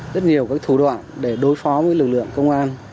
rất nhiều các thủ đoạn để đối phó với lực lượng công an